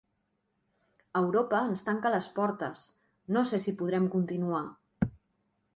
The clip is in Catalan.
“Europa ens tanca les portes, no sé si podrem continuar”